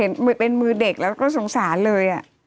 เหมือนเป็นมือเด็กแล้วก็สงสารเลย